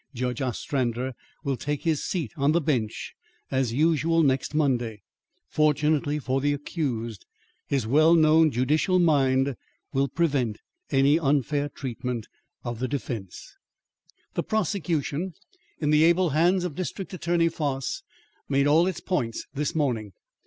Judge Ostrander will take his seat on the bench as usual next Monday. Fortunately for the accused, his well known judicial mind will prevent any unfair treatment of the defence." "The prosecution, in the able hands of District Attorney Foss, made all its points this morning.